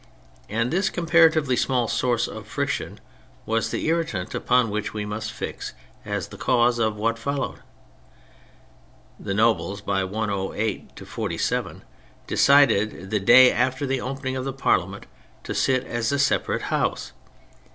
And this comparatively small source of friction was the irritant upon which we must fix as the cause of what followed. The Nobles, by 108 to 47, decided, the day after the opening of the Parliament, to sit as a separate House.